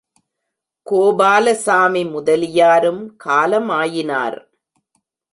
கோபாலசாமி முதலியாரும் காலமாயினார்.